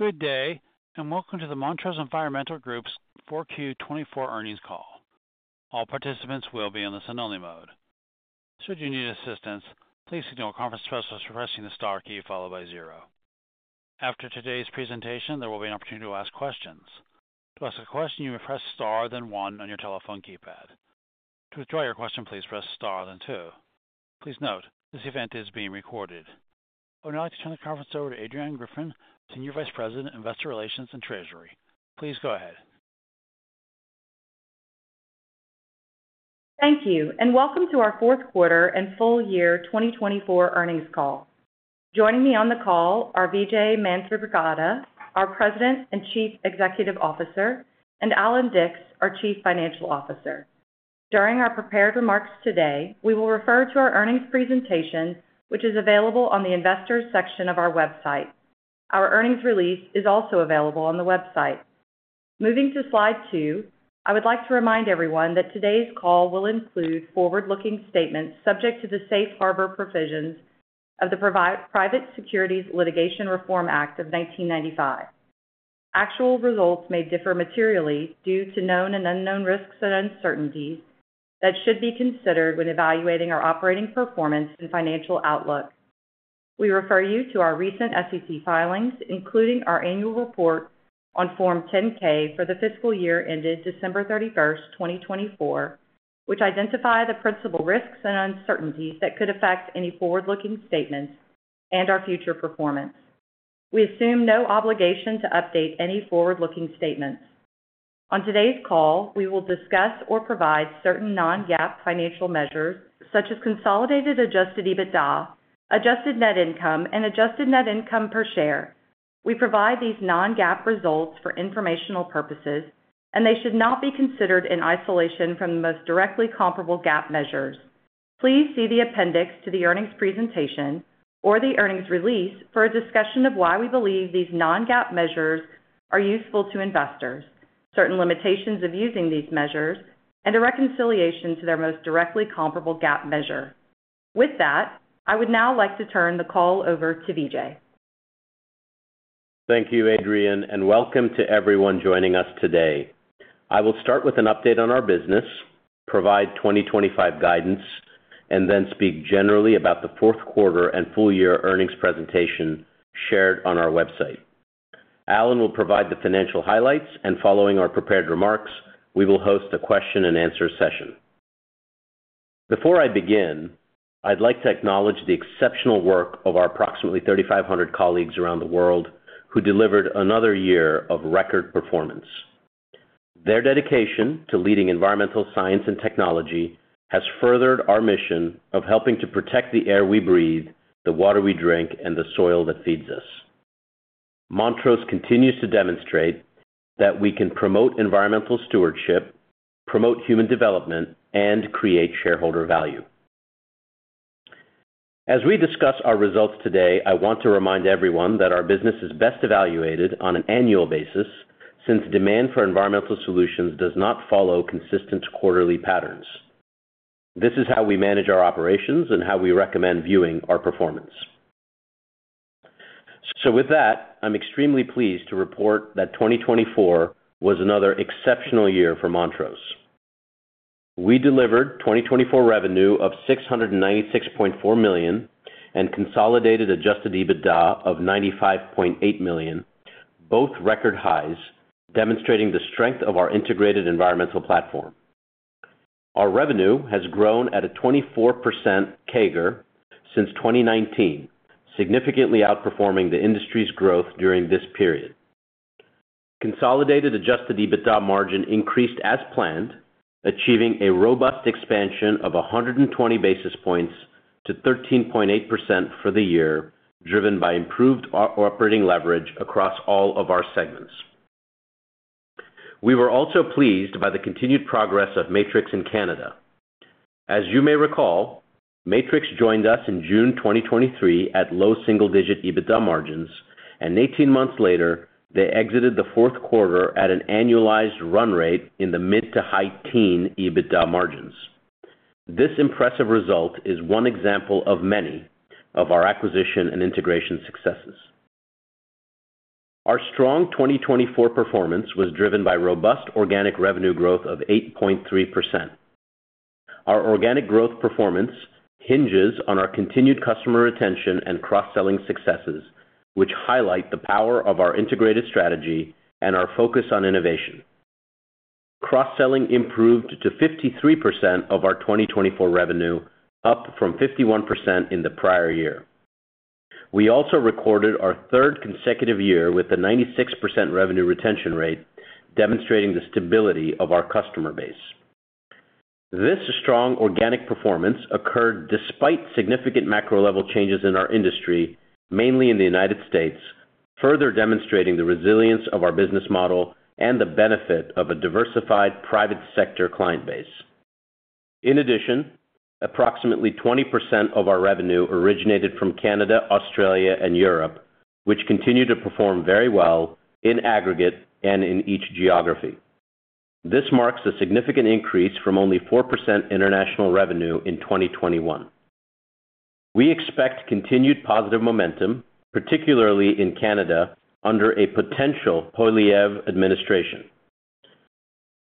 Good day, and welcome to the Montrose Environmental Group's 4Q24 earnings call. All participants will be in listen-only mode. Should you need assistance, please signal a conference specialist by pressing the star key followed by zero. After today's presentation, there will be an opportunity to ask questions. To ask a question, you may press star then one on your telephone keypad. To withdraw your question, please press star then two. Please note, this event is being recorded. I would now like to turn the conference over to Adrianne Griffin, Senior Vice President, Investor Relations and Treasury. Please go ahead. Thank you, and welcome to our fourth quarter and full year 2024 earnings call. Joining me on the call are Vijay Manthripragada, our President and Chief Executive Officer, and Allan Dicks, our Chief Financial Officer. During our prepared remarks today, we will refer to our earnings presentation, which is available on the investors' section of our website. Our earnings release is also available on the website. Moving to slide two, I would like to remind everyone that today's call will include forward-looking statements subject to the Safe Harbor provisions of the Private Securities Litigation Reform Act of 1995. Actual results may differ materially due to known and unknown risks and uncertainties that should be considered when evaluating our operating performance and financial outlook. We refer you to our SEC filings, including our annual report on Form 10-K for the fiscal year ended December 31st, 2024, which identify the principal risks and uncertainties that could affect any forward-looking statements and our future performance. We assume no obligation to update any forward-looking statements. On today's call, we will discuss or provide certain non-GAAP financial measures, such as consolidated adjusted EBITDA, adjusted net income, and adjusted net income per share. We provide these non-GAAP results for informational purposes, and they should not be considered in isolation from the most directly comparable GAAP measures. Please see the appendix to the earnings presentation or the earnings release for a discussion of why we believe these non-GAAP measures are useful to investors, certain limitations of using these measures, and a reconciliation to their most directly comparable GAAP measure. With that, I would now like to turn the call over to Vijay. Thank you, Adrianne, and welcome to everyone joining us today. I will start with an update on our business, provide 2025 guidance, and then speak generally about the fourth quarter and full year earnings presentation shared on our website. Allan will provide the financial highlights, and following our prepared remarks, we will host a question-and-answer session. Before I begin, I'd like to acknowledge the exceptional work of our approximately 3,500 colleagues around the world who delivered another year of record performance. Their dedication to leading environmental science and technology has furthered our mission of helping to protect the air we breathe, the water we drink, and the soil that feeds us. Montrose continues to demonstrate that we can promote environmental stewardship, promote human development, and create shareholder value. As we discuss our results today, I want to remind everyone that our business is best evaluated on an annual basis since demand for environmental solutions does not follow consistent quarterly patterns. This is how we manage our operations and how we recommend viewing our performance. So with that, I'm extremely pleased to report that 2024 was another exceptional year for Montrose. We delivered 2024 revenue of $696.4 million and consolidated Adjusted EBITDA of $95.8 million, both record highs, demonstrating the strength of our integrated environmental platform. Our revenue has grown at a 24% CAGR since 2019, significantly outperforming the industry's growth during this period. Consolidated Adjusted EBITDA margin increased as planned, achieving a robust expansion of 120 basis points to 13.8% for the year, driven by improved operating leverage across all of our segments. We were also pleased by the continued progress of Matrix in Canada. As you may recall, Matrix joined us in June 2023 at low single-digit EBITDA margins, and 18 months later, they exited the fourth quarter at an annualized run rate in the mid- to high-teen EBITDA margins. This impressive result is one example of many of our acquisition and integration successes. Our strong 2024 performance was driven by robust organic revenue growth of 8.3%. Our organic growth performance hinges on our continued customer retention and cross-selling successes, which highlight the power of our integrated strategy and our focus on innovation. Cross-selling improved to 53% of our 2024 revenue, up from 51% in the prior year. We also recorded our third consecutive year with a 96% revenue retention rate, demonstrating the stability of our customer base. This strong organic performance occurred despite significant macro-level changes in our industry, mainly in the United States, further demonstrating the resilience of our business model and the benefit of a diversified private sector client base. In addition, approximately 20% of our revenue originated from Canada, Australia, and Europe, which continue to perform very well in aggregate and in each geography. This marks a significant increase from only 4% international revenue in 2021. We expect continued positive momentum, particularly in Canada under a potential Poilievre administration.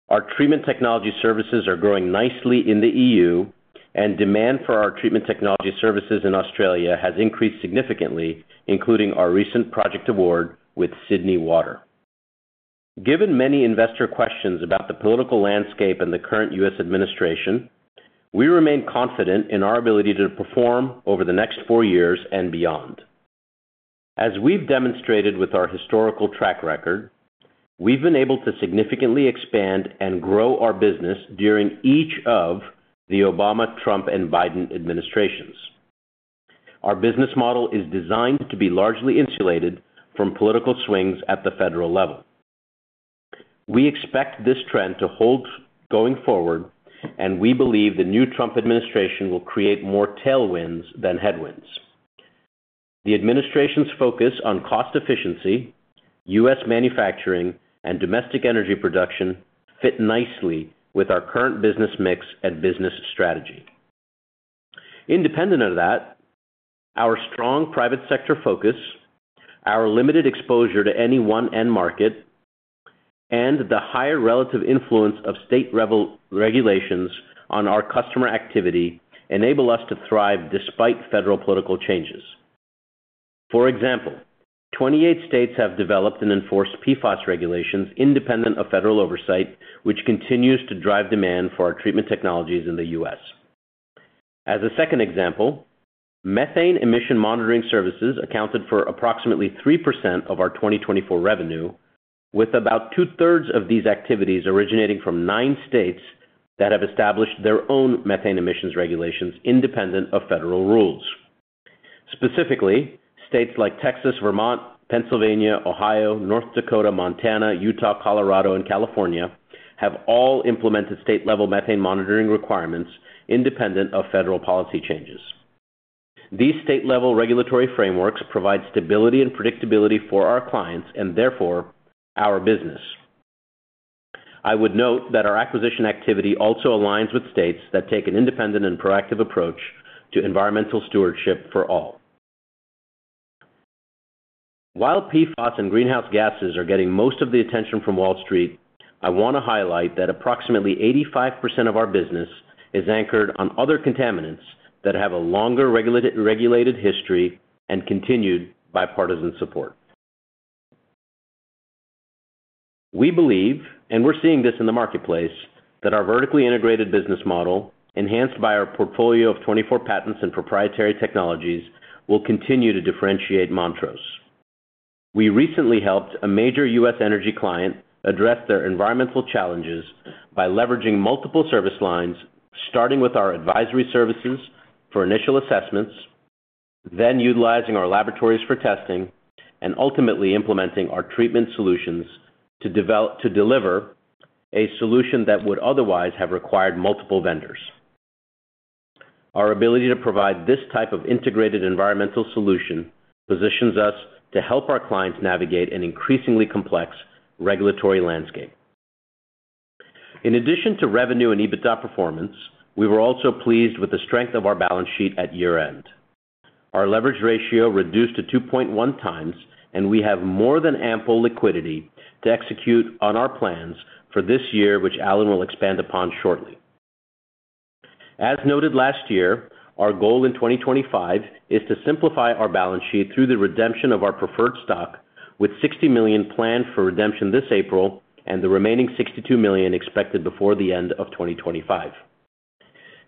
Our treatment technology services are growing nicely in the EU, and demand for our treatment technology services in Australia has increased significantly, including our recent project award with Sydney Water. Given many investor questions about the political landscape and the current U.S. administration, we remain confident in our ability to perform over the next four years and beyond. As we've demonstrated with our historical track record, we've been able to significantly expand and grow our business during each of the Obama, Trump, and Biden administrations. Our business model is designed to be largely insulated from political swings at the federal level. We expect this trend to hold going forward, and we believe the new Trump administration will create more tailwinds than headwinds. The administration's focus on cost efficiency, U.S. manufacturing, and domestic energy production fit nicely with our current business mix and business strategy. Independent of that, our strong private sector focus, our limited exposure to any one end market, and the higher relative influence of state regulations on our customer activity enable us to thrive despite federal political changes. For example, 28 states have developed and enforced PFAS regulations independent of federal oversight, which continues to drive demand for our treatment technologies in the U.S. As a second example, methane emission monitoring services accounted for approximately 3% of our 2024 revenue, with about two-thirds of these activities originating from nine states that have established their own methane emissions regulations independent of federal rules. Specifically, states like Texas, Vermont, Pennsylvania, Ohio, North Dakota, Montana, Utah, Colorado, and California have all implemented state-level methane monitoring requirements independent of federal policy changes. These state-level regulatory frameworks provide stability and predictability for our clients and therefore our business. I would note that our acquisition activity also aligns with states that take an independent and proactive approach to environmental stewardship for all. While PFAS and greenhouse gases are getting most of the attention from Wall Street, I want to highlight that approximately 85% of our business is anchored on other contaminants that have a longer regulated history and continued bipartisan support. We believe, and we're seeing this in the marketplace, that our vertically integrated business model, enhanced by our portfolio of 24 patents and proprietary technologies, will continue to differentiate Montrose. We recently helped a major U.S. energy client address their environmental challenges by leveraging multiple service lines, starting with our advisory services for initial assessments, then utilizing our laboratories for testing, and ultimately implementing our treatment solutions to deliver a solution that would otherwise have required multiple vendors. Our ability to provide this type of integrated environmental solution positions us to help our clients navigate an increasingly complex regulatory landscape. In addition to revenue and EBITDA performance, we were also pleased with the strength of our balance sheet at year-end. Our leverage ratio reduced to 2.1 times, and we have more than ample liquidity to execute on our plans for this year, which Allan will expand upon shortly. As noted last year, our goal in 2025 is to simplify our balance sheet through the redemption of our preferred stock, with $60 million planned for redemption this April and the remaining $62 million expected before the end of 2025.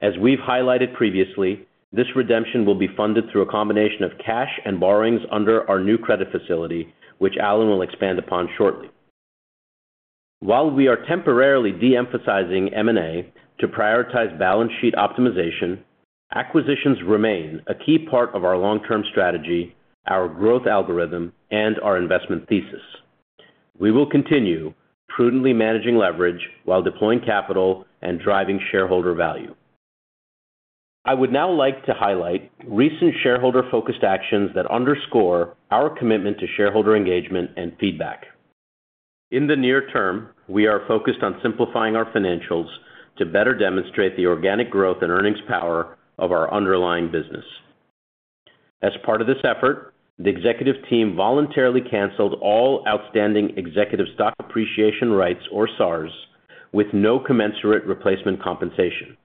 As we've highlighted previously, this redemption will be funded through a combination of cash and borrowings under our new credit facility, which Allan will expand upon shortly. While we are temporarily de-emphasizing M&A to prioritize balance sheet optimization, acquisitions remain a key part of our long-term strategy, our growth algorithm, and our investment thesis. We will continue prudently managing leverage while deploying capital and driving shareholder value. I would now like to highlight recent shareholder-focused actions that underscore our commitment to shareholder engagement and feedback. In the near term, we are focused on simplifying our financials to better demonstrate the organic growth and earnings power of our underlying business. As part of this effort, the executive team voluntarily canceled all outstanding executive stock appreciation rights, or SARs, with no commensurate replacement compensation.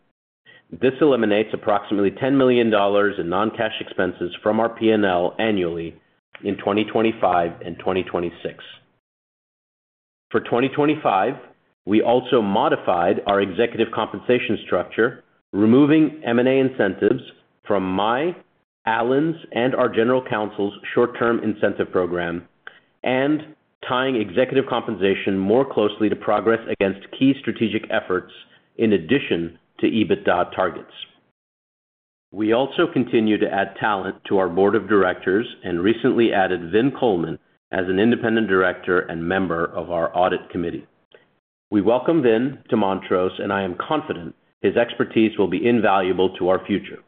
This eliminates approximately $10 million in non-cash expenses from our P&L annually in 2025 and 2026. For 2025, we also modified our executive compensation structure, removing M&A incentives from my, Allan's, and our general counsel's short-term incentive program, and tying executive compensation more closely to progress against key strategic efforts in addition to EBITDA targets. We also continue to add talent to our board of directors and recently added Vin Colman as an independent director and member of our audit committee. We welcome Vin to Montrose, and I am confident his expertise will be invaluable to our future.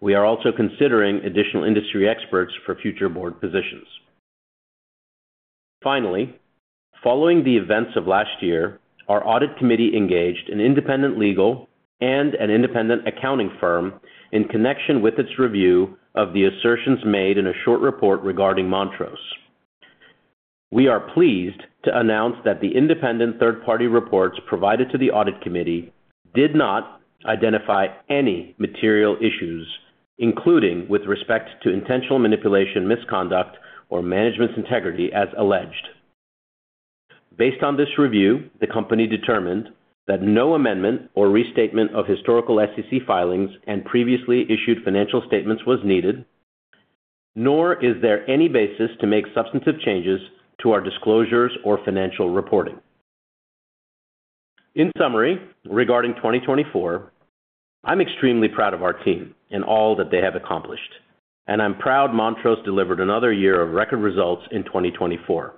We are also considering additional industry experts for future board positions. Finally, following the events of last year, our audit committee engaged an independent legal and an independent accounting firm in connection with its review of the assertions made in a short report regarding Montrose. We are pleased to announce that the independent third-party reports provided to the audit committee did not identify any material issues, including with respect to intentional manipulation, misconduct, or management's integrity as alleged. Based on this review, the company determined that no amendment or restatement of historical SEC filings and previously issued financial statements was needed, nor is there any basis to make substantive changes to our disclosures or financial reporting. In summary, regarding 2024, I'm extremely proud of our team and all that they have accomplished, and I'm proud Montrose delivered another year of record results in 2024.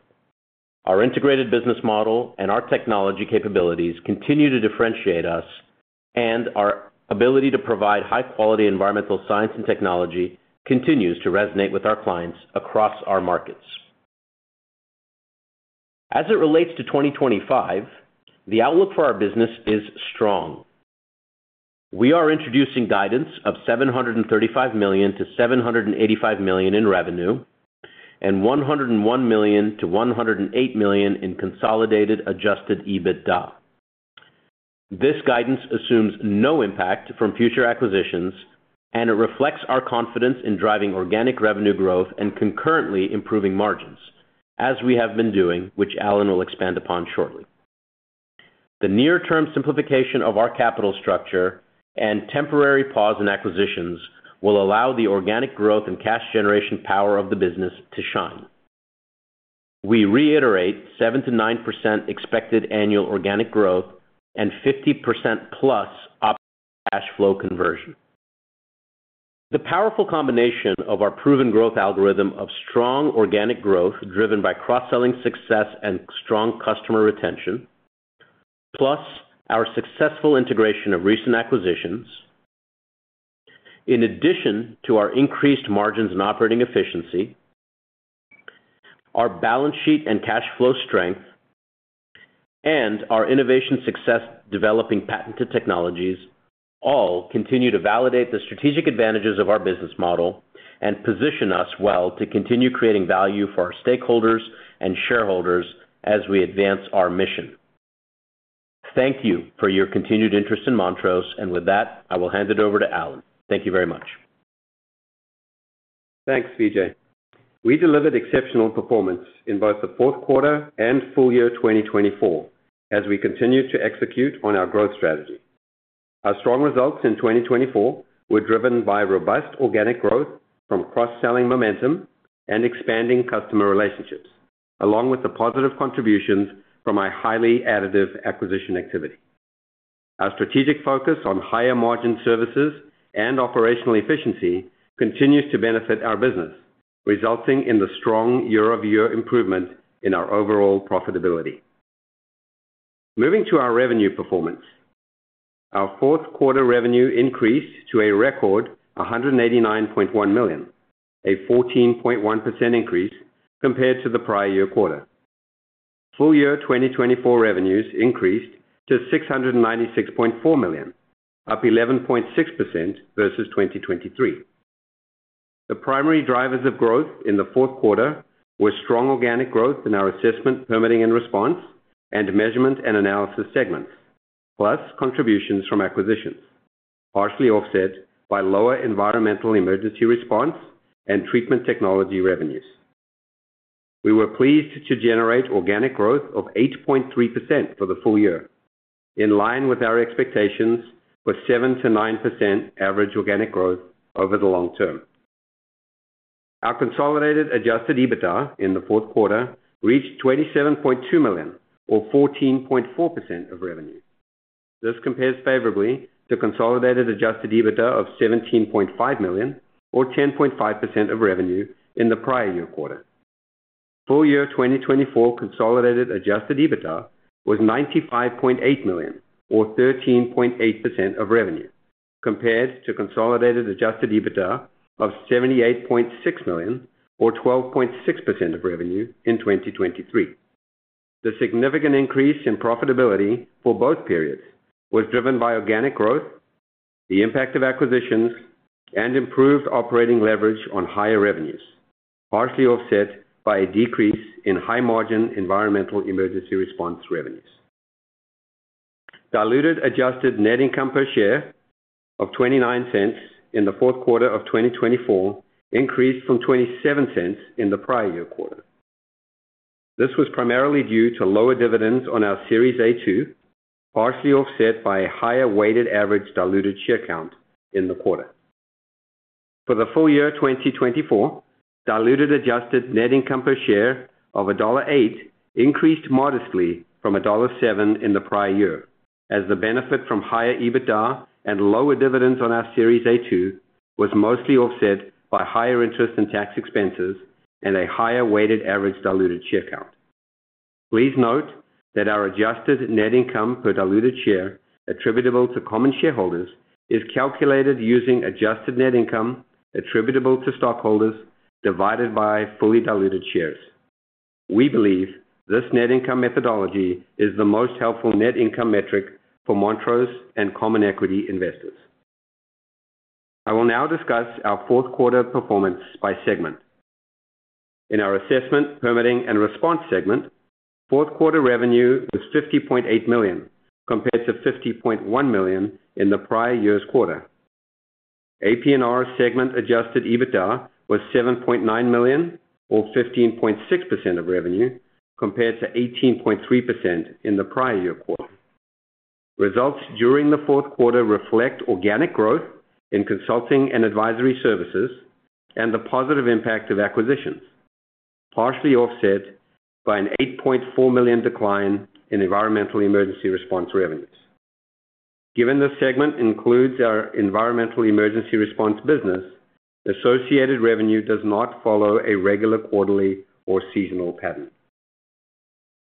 Our integrated business model and our technology capabilities continue to differentiate us, and our ability to provide high-quality environmental science and technology continues to resonate with our clients across our markets. As it relates to 2025, the outlook for our business is strong. We are introducing guidance of $735 million-$785 million in revenue and $101 million-$108 million in consolidated Adjusted EBITDA. This guidance assumes no impact from future acquisitions, and it reflects our confidence in driving organic revenue growth and concurrently improving margins, as we have been doing, which Allan will expand upon shortly. The near-term simplification of our capital structure and temporary pause in acquisitions will allow the organic growth and cash generation power of the business to shine. We reiterate 7%-9% expected annual organic growth and 50% plus optimal cash flow conversion. The powerful combination of our proven growth algorithm of strong organic growth driven by cross-selling success and strong customer retention, plus our successful integration of recent acquisitions, in addition to our increased margins and operating efficiency, our balance sheet and cash flow strength, and our innovation success developing patented technologies, all continue to validate the strategic advantages of our business model and position us well to continue creating value for our stakeholders and shareholders as we advance our mission. Thank you for your continued interest in Montrose, and with that, I will hand it over to Allan. Thank you very much. Thanks, Vijay. We delivered exceptional performance in both the fourth quarter and full year 2024 as we continued to execute on our growth strategy. Our strong results in 2024 were driven by robust organic growth from cross-selling momentum and expanding customer relationships, along with the positive contributions from our highly additive acquisition activity. Our strategic focus on higher margin services and operational efficiency continues to benefit our business, resulting in the strong year-over-year improvement in our overall profitability. Moving to our revenue performance, our fourth quarter revenue increased to a record $189.1 million, a 14.1% increase compared to the prior year quarter. Full year 2024 revenues increased to $696.4 million, up 11.6% versus 2023. The primary drivers of growth in the fourth quarter were strong organic growth in our assessment, permitting, and response and measurement and analysis segments, plus contributions from acquisitions, partially offset by lower environmental emergency response and treatment technology revenues. We were pleased to generate organic growth of 8.3% for the full year, in line with our expectations for 7 to 9% average organic growth over the long term. Our consolidated adjusted EBITDA in the fourth quarter reached $27.2 million, or 14.4% of revenue. This compares favorably to consolidated adjusted EBITDA of $17.5 million, or 10.5% of revenue in the prior year quarter. Full year 2024 consolidated adjusted EBITDA was $95.8 million, or 13.8% of revenue, compared to consolidated adjusted EBITDA of $78.6 million, or 12.6% of revenue in 2023. The significant increase in profitability for both periods was driven by organic growth, the impact of acquisitions, and improved operating leverage on higher revenues, partially offset by a decrease in high-margin environmental emergency response revenues. Diluted adjusted net income per share of $0.29 in the fourth quarter of 2024 increased from $0.27 in the prior year quarter. This was primarily due to lower dividends on our Series A2, partially offset by a higher weighted average diluted share count in the quarter. For the full year 2024, diluted adjusted net income per share of $1.08 increased modestly from $1.07 in the prior year, as the benefit from higher EBITDA and lower dividends on our Series A2 was mostly offset by higher interest and tax expenses and a higher weighted average diluted share count. Please note that our adjusted net income per diluted share attributable to common shareholders is calculated using adjusted net income attributable to stockholders divided by fully diluted shares. We believe this net income methodology is the most helpful net income metric for Montrose and common equity investors. I will now discuss our fourth quarter performance by segment. In our assessment, permitting, and response segment, fourth quarter revenue was $50.8 million compared to $50.1 million in the prior year's quarter. AP&R segment adjusted EBITDA was $7.9 million, or 15.6% of revenue, compared to 18.3% in the prior year quarter. Results during the fourth quarter reflect organic growth in consulting and advisory services and the positive impact of acquisitions, partially offset by an $8.4 million decline in environmental emergency response revenues. Given this segment includes our environmental emergency response business, associated revenue does not follow a regular quarterly or seasonal pattern.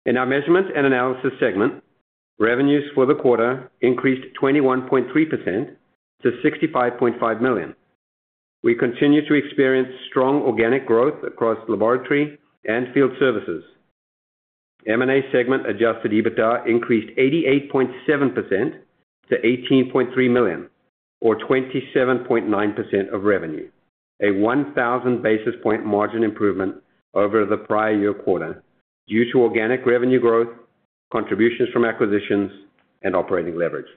In our measurement and analysis segment, revenues for the quarter increased 21.3% to $65.5 million. We continue to experience strong organic growth across laboratory and field services. M&A segment adjusted EBITDA increased 88.7% to $18.3 million, or 27.9% of revenue, a 1,000 basis point margin improvement over the prior year quarter due to organic revenue growth, contributions from acquisitions, and operating leverage.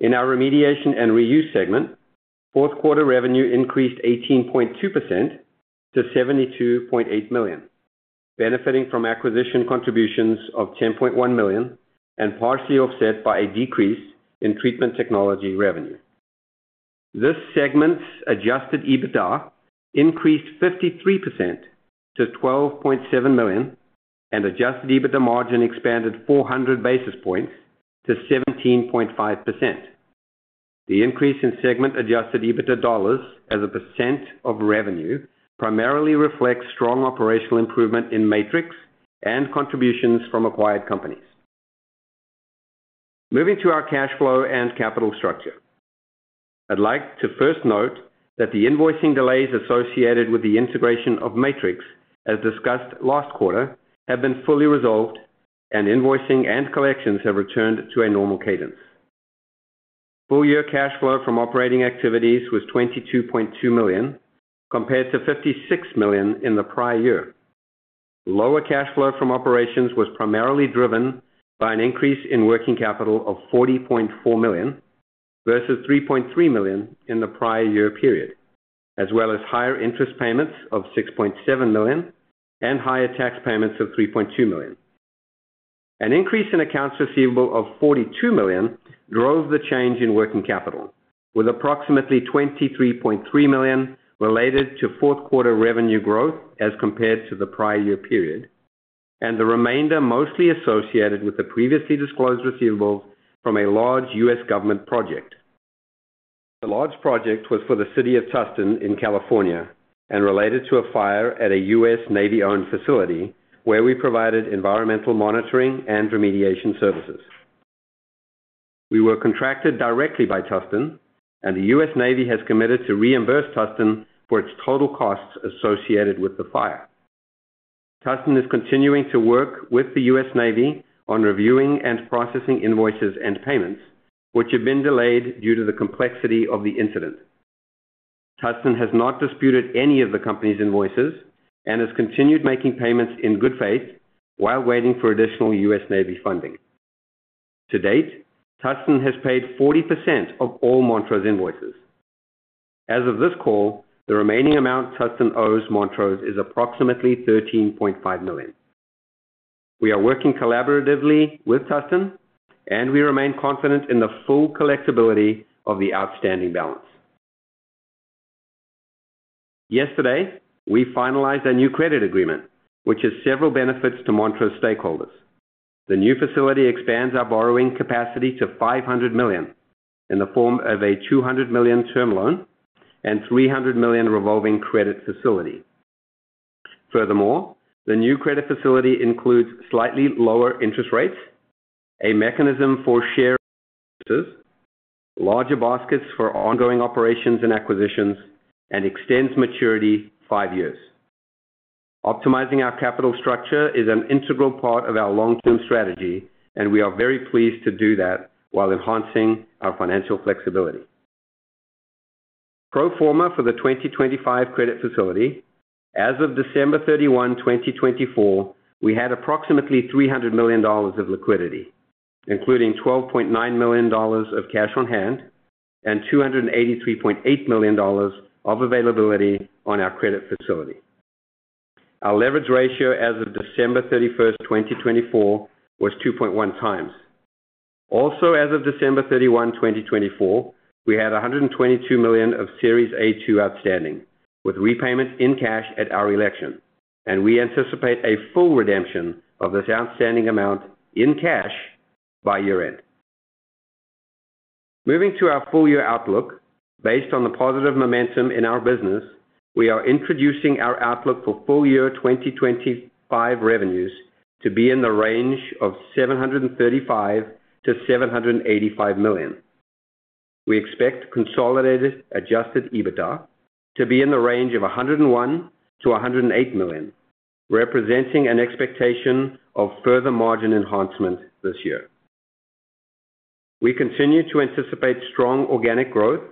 In our remediation and reuse segment, fourth quarter revenue increased 18.2% to $72.8 million, benefiting from acquisition contributions of $10.1 million and partially offset by a decrease in treatment technology revenue. This segment's adjusted EBITDA increased 53% to $12.7 million, and adjusted EBITDA margin expanded 400 basis points to 17.5%. The increase in segment adjusted EBITDA dollars as a percent of revenue primarily reflects strong operational improvement in Matrix and contributions from acquired companies. Moving to our cash flow and capital structure, I'd like to first note that the invoicing delays associated with the integration of Matrix, as discussed last quarter, have been fully resolved, and invoicing and collections have returned to a normal cadence. Full year cash flow from operating activities was $22.2 million, compared to $56 million in the prior year. Lower cash flow from operations was primarily driven by an increase in working capital of $40.4 million versus $3.3 million in the prior year period, as well as higher interest payments of $6.7 million and higher tax payments of $3.2 million. An increase in accounts receivable of $42 million drove the change in working capital, with approximately $23.3 million related to fourth quarter revenue growth as compared to the prior year period, and the remainder mostly associated with the previously disclosed receivables from a large U.S. government project. The large project was for the City of Tustin in California and related to a fire at a U.S. Navy-owned facility where we provided environmental monitoring and remediation services. We were contracted directly by Tustin, and the U.S. Navy has committed to reimburse Tustin for its total costs associated with the fire. Tustin is continuing to work with the U.S. Navy on reviewing and processing invoices and payments, which have been delayed due to the complexity of the incident. Tustin has not disputed any of the company's invoices and has continued making payments in good faith while waiting for additional U.S. Navy funding. To date, Tustin has paid 40% of all Montrose invoices. As of this call, the remaining amount Tustin owes Montrose is approximately $13.5 million. We are working collaboratively with Tustin, and we remain confident in the full collectibility of the outstanding balance. Yesterday, we finalized a new credit agreement, which has several benefits to Montrose stakeholders. The new facility expands our borrowing capacity to $500 million in the form of a $200 million term loan and $300 million revolving credit facility. Furthermore, the new credit facility includes slightly lower interest rates, a mechanism for share acquisitions, larger baskets for ongoing operations and acquisitions, and extends maturity five years. Optimizing our capital structure is an integral part of our long-term strategy, and we are very pleased to do that while enhancing our financial flexibility. Pro forma for the 2025 credit facility, as of December 31, 2024, we had approximately $300 million of liquidity, including $12.9 million of cash on hand and $283.8 million of availability on our credit facility. Our leverage ratio as of December 31, 2024, was 2.1 times. Also, as of December 31, 2024, we had $122 million of Series A2 outstanding, with repayment in cash at our election, and we anticipate a full redemption of this outstanding amount in cash by year-end. Moving to our full year outlook, based on the positive momentum in our business, we are introducing our outlook for full year 2025 revenues to be in the range of $735-$785 million. We expect consolidated adjusted EBITDA to be in the range of $101-$108 million, representing an expectation of further margin enhancement this year. We continue to anticipate strong organic growth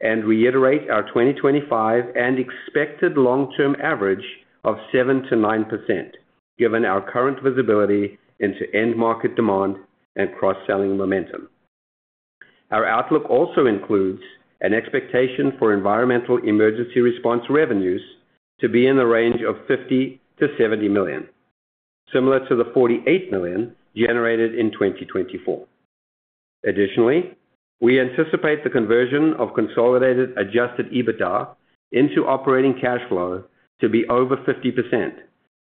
and reiterate our 2025 and expected long-term average of 7%-9%, given our current visibility into end-market demand and cross-selling momentum. Our outlook also includes an expectation for environmental emergency response revenues to be in the range of $50-$70 million, similar to the $48 million generated in 2024. Additionally, we anticipate the conversion of consolidated adjusted EBITDA into operating cash flow to be over 50%,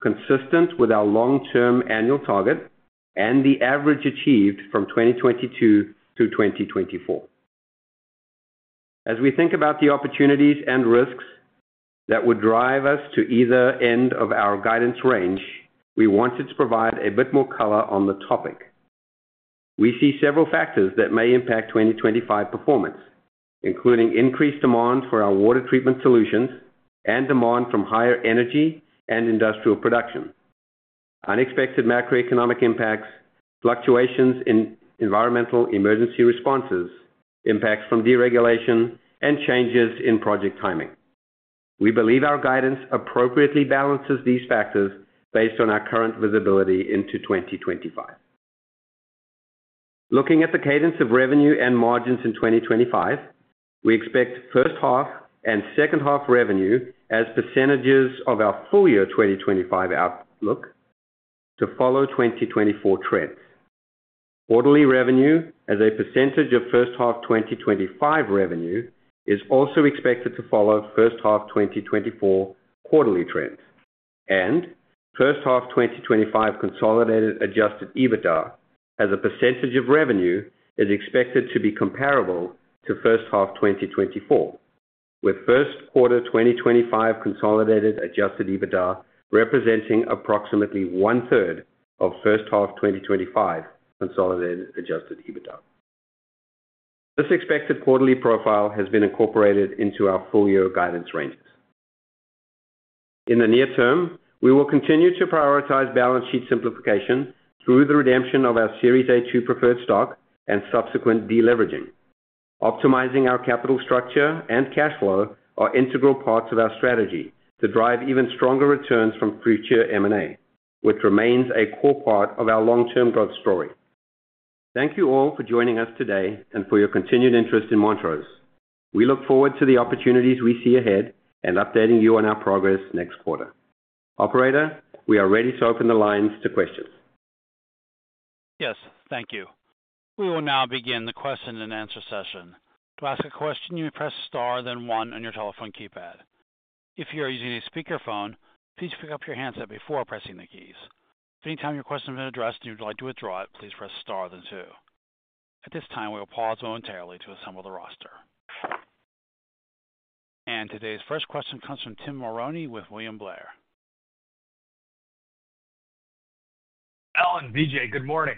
consistent with our long-term annual target and the average achieved from 2022 to 2024. As we think about the opportunities and risks that would drive us to either end of our guidance range, we wanted to provide a bit more color on the topic. We see several factors that may impact 2025 performance, including increased demand for our water treatment solutions and demand from higher energy and industrial production, unexpected macroeconomic impacts, fluctuations in environmental emergency responses, impacts from deregulation, and changes in project timing. We believe our guidance appropriately balances these factors based on our current visibility into 2025. Looking at the cadence of revenue and margins in 2025, we expect first half and second half revenue as percentages of our full year 2025 outlook to follow 2024 trends. Quarterly revenue as a percentage of first half 2025 revenue is also expected to follow first half 2024 quarterly trends, and first half 2025 consolidated Adjusted EBITDA as a percentage of revenue is expected to be comparable to first half 2024, with first quarter 2025 consolidated Adjusted EBITDA representing approximately one-third of first half 2025 consolidated Adjusted EBITDA. This expected quarterly profile has been incorporated into our full year guidance ranges. In the near term, we will continue to prioritize balance sheet simplification through the redemption of our Series A2 Preferred Stock and subsequent deleveraging. Optimizing our capital structure and cash flow are integral parts of our strategy to drive even stronger returns from future M&A, which remains a core part of our long-term growth story. Thank you all for joining us today and for your continued interest in Montrose. We look forward to the opportunities we see ahead and updating you on our progress next quarter. Operator, we are ready to open the lines to questions. Yes, thank you. We will now begin the question and answer session. To ask a question, you may press star then one on your telephone keypad. If you are using a speakerphone, please pick up your handset before pressing the keys. If at any time your question has been addressed and you would like to withdraw it, please press star then two. At this time, we will pause momentarily to assemble the roster. Today's first question comes from Tim Mulrooney with William Blair. Allan, Vijay, good morning.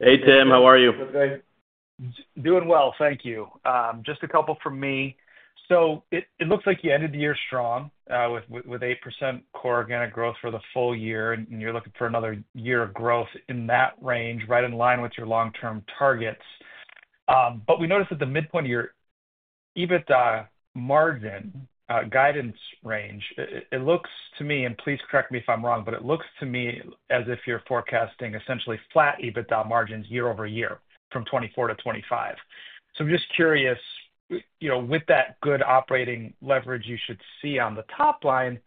Hey, Tim, how are you? Doing well, thank you. Just a couple from me. It looks like you ended the year strong with 8% core organic growth for the full year, and you're looking for another year of growth in that range, right in line with your long-term targets. But we noticed at the midpoint of your EBITDA margin guidance range, it looks to me, and please correct me if I'm wrong, but it looks to me as if you're forecasting essentially flat EBITDA margins year over year from 2024 to 2025. So I'm just curious, with that good operating leverage you should see on the top line,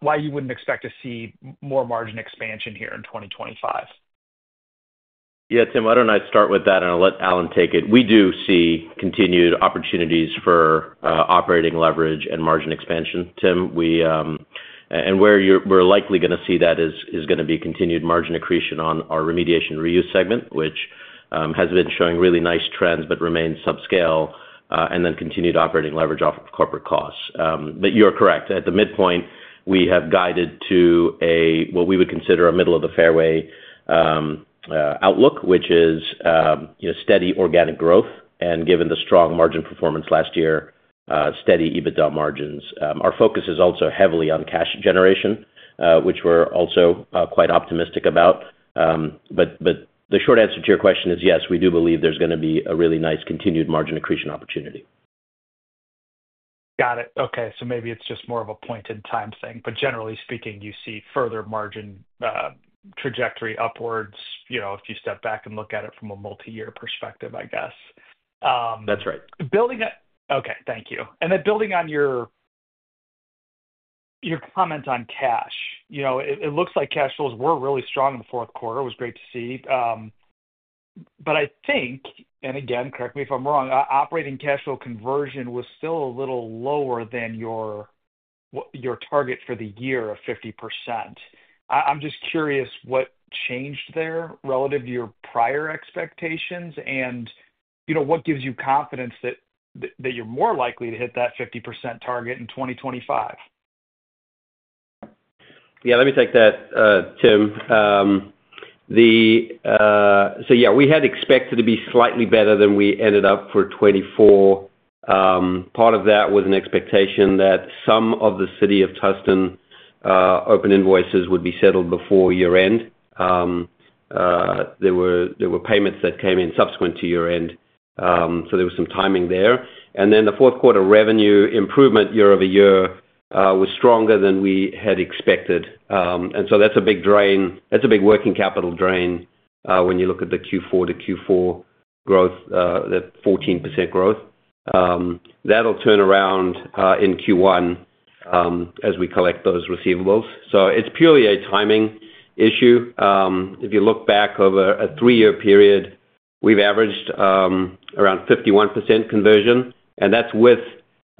why you wouldn't expect to see more margin expansion here in 2025? Yeah, Tim, why don't I start with that, and I'll let Allan take it. We do see continued opportunities for operating leverage and margin expansion, Tim. And where we're likely going to see that is going to be continued margin accretion on our remediation reuse segment, which has been showing really nice trends but remains subscale, and then continued operating leverage off of corporate costs. But you're correct. At the midpoint, we have guided to what we would consider a middle-of-the-fairway outlook, which is steady organic growth, and given the strong margin performance last year, steady EBITDA margins. Our focus is also heavily on cash generation, which we're also quite optimistic about. But the short answer to your question is yes, we do believe there's going to be a really nice continued margin accretion opportunity. Got it. Okay. So maybe it's just more of a point-in-time thing. But generally speaking, you see further margin trajectory upwards if you step back and look at it from a multi-year perspective, I guess. That's right. Okay. Thank you. And then building on your comment on cash, it looks like cash flows were really strong in the fourth quarter. It was great to see. But I think, and again, correct me if I'm wrong, operating cash flow conversion was still a little lower than your target for the year of 50%. I'm just curious what changed there relative to your prior expectations and what gives you confidence that you're more likely to hit that 50% target in 2025. Yeah, let me take that, Tim. So yeah, we had expected to be slightly better than we ended up for 2024. Part of that was an expectation that some of the City of Tustin open invoices would be settled before year-end. There were payments that came in subsequent to year-end, so there was some timing there. And then the fourth quarter revenue improvement year-over-year was stronger than we had expected. And so that's a big drain. That's a big working capital drain when you look at the Q4 to Q4 growth, that 14% growth. That'll turn around in Q1 as we collect those receivables. So it's purely a timing issue. If you look back over a three-year period, we've averaged around 51% conversion, and that's with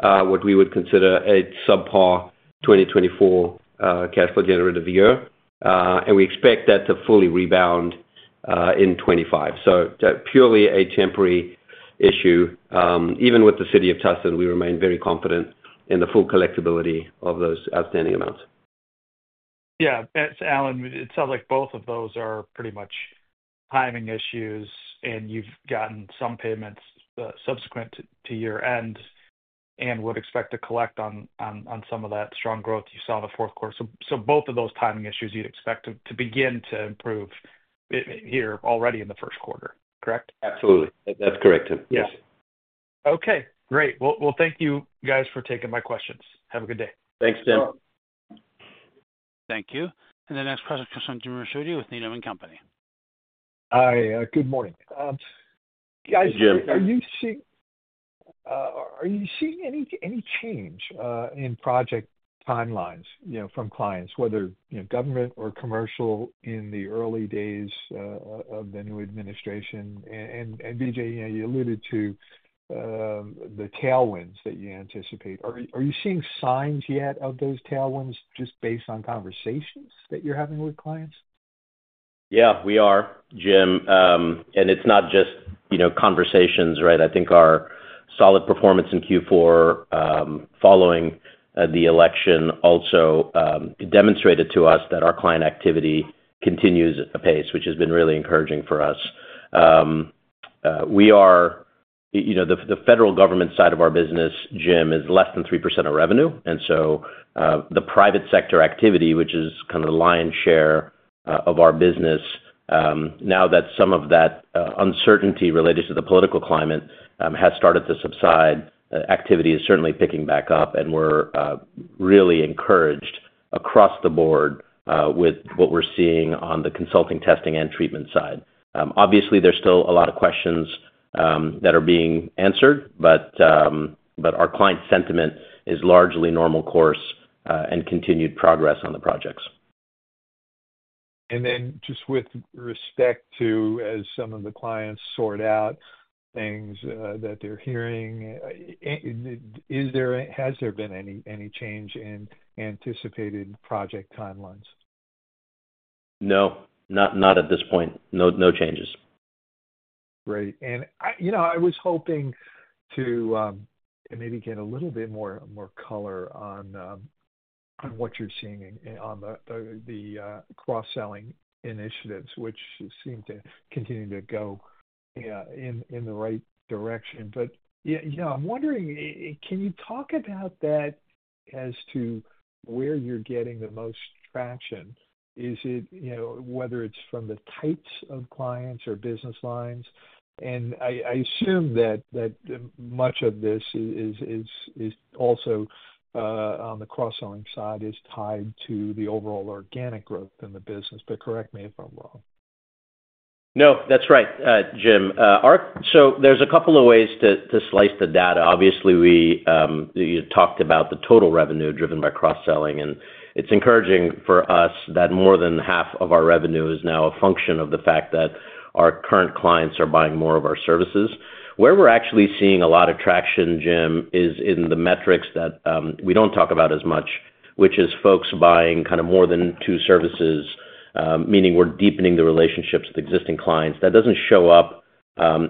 what we would consider a subpar 2024 cash flow generative year. And we expect that to fully rebound in 2025. So purely a temporary issue. Even with the City of Tustin, we remain very confident in the full collectibility of those outstanding amounts. Yeah. Allan, it sounds like both of those are pretty much timing issues, and you've gotten some payments subsequent to year-end and would expect to collect on some of that strong growth you saw in the fourth quarter. So both of those timing issues you'd expect to begin to improve here already in the first quarter, correct? Absolutely. That's correct, Tim. Yes. Okay. Great. Well, thank you, guys, for taking my questions. Have a good day. Thanks, Tim. Thank you. And the next question comes from Jim Ricchiuti with Needham & Company. Hi. Good morning. Are you seeing any change in project timelines from clients, whether government or commercial, in the early days of the new administration? And Vijay, you alluded to the tailwinds that you anticipate. Are you seeing signs yet of those tailwinds just based on conversations that you're having with clients? Yeah, we are, Jim. And it's not just conversations, right? I think our solid performance in Q4 following the election also demonstrated to us that our client activity continues at a pace which has been really encouraging for us. The federal government side of our business, Jim, is less than 3% of revenue. And so the private sector activity, which is kind of the lion's share of our business, now that some of that uncertainty related to the political climate has started to subside, activity is certainly picking back up, and we're really encouraged across the board with what we're seeing on the consulting, testing, and treatment side. Obviously, there's still a lot of questions that are being answered, but our client sentiment is largely normal course and continued progress on the projects. And then just with respect to, as some of the clients sort out things that they're hearing, has there been any change in anticipated project timelines? No. Not at this point. No changes. Great. And I was hoping to maybe get a little bit more color on what you're seeing on the cross-selling initiatives, which seem to continue to go in the right direction. But I'm wondering, can you talk about that as to where you're getting the most traction, whether it's from the types of clients or business lines? And I assume that much of this is also on the cross-selling side is tied to the overall organic growth in the business, but correct me if I'm wrong. No, that's right, Jim. So there's a couple of ways to slice the data. Obviously, we talked about the total revenue driven by cross-selling, and it's encouraging for us that more than half of our revenue is now a function of the fact that our current clients are buying more of our services. Where we're actually seeing a lot of traction, Jim, is in the metrics that we don't talk about as much, which is folks buying kind of more than two services, meaning we're deepening the relationships with existing clients. That doesn't show up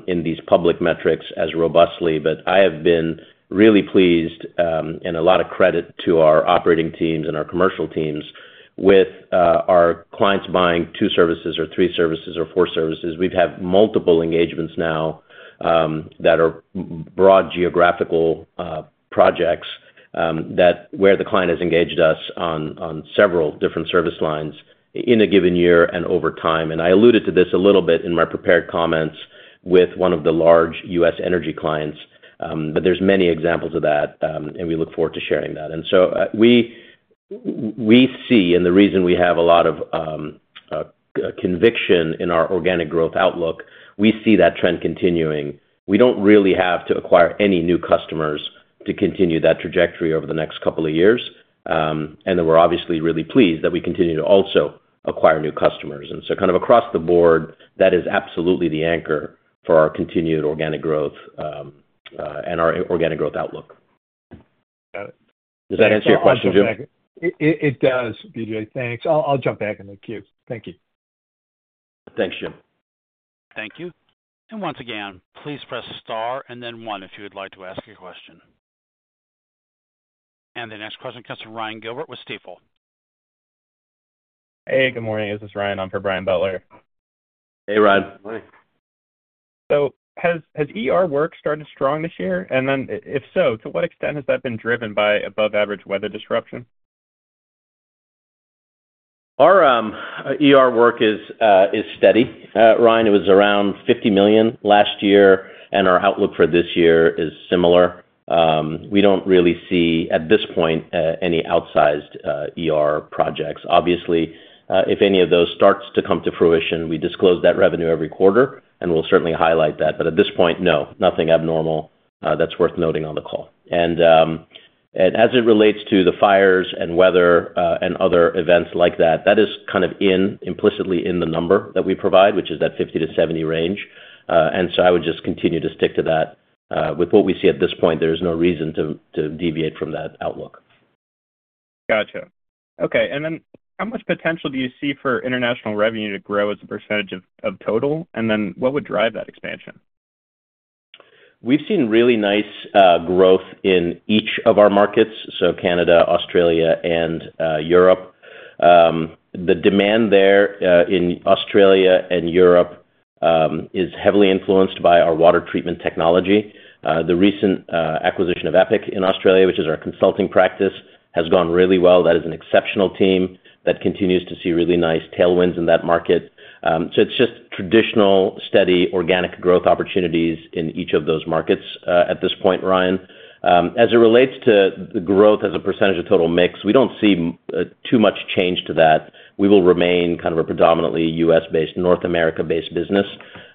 in these public metrics as robustly, but I have been really pleased, and a lot of credit to our operating teams and our commercial teams, with our clients buying two services or three services or four services. We've had multiple engagements now that are broad geographical projects where the client has engaged us on several different service lines in a given year and over time. I alluded to this a little bit in my prepared comments with one of the large U.S. energy clients, but there's many examples of that, and we look forward to sharing that. And so we see, and the reason we have a lot of conviction in our organic growth outlook, we see that trend continuing. We don't really have to acquire any new customers to continue that trajectory over the next couple of years, and then we're obviously really pleased that we continue to also acquire new customers. And so kind of across the board, that is absolutely the anchor for our continued organic growth and our organic growth outlook. Does that answer your question, Jim? It does, Vijay. Thanks. I'll jump back in the queue. Thank you. Thanks, Jim. Thank you. And once again, please press star and then one if you would like to ask your question. And the next question comes from Ryan Gilbert with Stifel. Hey, good morning. This is Ryan. I'm for Brian Butler. Hey, Vijay. Good morning. So has work started strong this year? And then if so, to what extent has that been driven by above-average weather disruption? Our work is steady. Ryan, it was around $50 million last year, and our outlook for this year is similar. We don't really see, at this point, any outsized projects. Obviously, if any of those starts to come to fruition, we disclose that revenue every quarter, and we'll certainly highlight that. But at this point, no, nothing abnormal that's worth noting on the call. And as it relates to the fires and weather and other events like that, that is kind of implicitly in the number that we provide, which is that $50 million-$70 million range. And so I would just continue to stick to that. With what we see at this point, there is no reason to deviate from that outlook. Gotcha. Okay. And then how much potential do you see for international revenue to grow as a percentage of total? And then what would drive that expansion? We've seen really nice growth in each of our markets, so Canada, Australia, and Europe. The demand there in Australia and Europe is heavily influenced by our water treatment technology. The recent acquisition of Epic in Australia, which is our consulting practice, has gone really well. That is an exceptional team that continues to see really nice tailwinds in that market. So it's just traditional steady organic growth opportunities in each of those markets at this point, Ryan. As it relates to the growth as a percentage of total mix, we don't see too much change to that. We will remain kind of a predominantly U.S.-based, North America-based business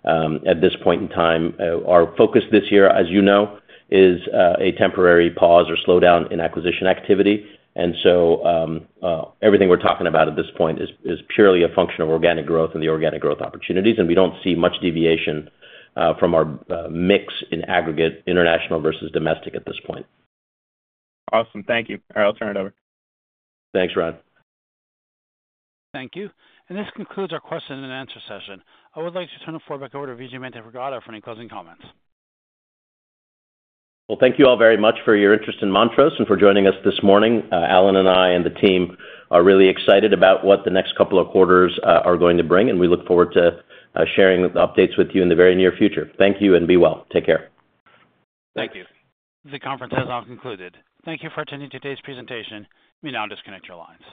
at this point in time. Our focus this year, as you know, is a temporary pause or slowdown in acquisition activity. And so everything we're talking about at this point is purely a function of organic growth and the organic growth opportunities. And we don't see much deviation from our mix in aggregate international versus domestic at this point. Awesome. Thank you. Operator. Thanks, Ron. Thank you. And this concludes our question-and-answer session. I would like to turn the floor back over to Vijay Manthripragada for any closing comments. Well, thank you all very much for your interest in Montrose and for joining us this morning. Allan and I and the team are really excited about what the next couple of quarters are going to bring, and we look forward to sharing the updates with you in the very near future. Thank you and be well. Take care. Thank you. The conference has now concluded. Thank you for attending today's presentation. You may now disconnect your lines.